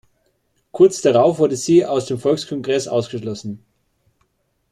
Kurz darauf wurde sie aus dem Volkskongress ausgeschlossen.